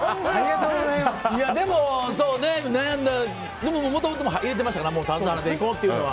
でも悩んだでももともと言ってましたから田津原さんで行こうっていうのは。